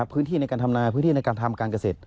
พื้นที่ในการทำนาพื้นที่ในการทำการเกษตร